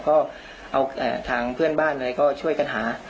ก็เอาทางเพื่อนบ้านอะไรก็ช่วยกันหา